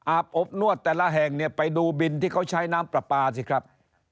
อบนวดแต่ละแห่งเนี่ยไปดูบินที่เขาใช้น้ำปลาปลาสิครับ